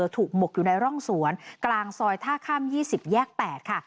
หมกอยู่ในร่องสวนกลางซอยท่าข้าม๒๐แยก๘ค่ะ